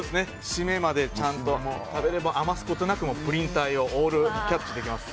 締めまでちゃんと食べれば余すことなくプリン体をオールキャッチできます。